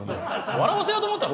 笑わせようと思ったの？